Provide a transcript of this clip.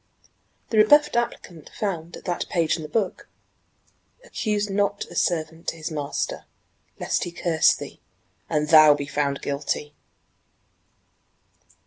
The rebuffed applicant found at that page in the book: "Accuse not a servant to his master, lest he curse thee, and thou be found guilty!"